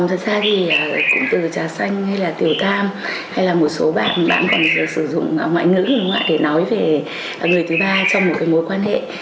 thật ra thì cụm từ trà xanh hay là tiểu tam hay là một số bạn bạn còn sử dụng ngoại ngữ để nói về người thứ ba trong một mối quan hệ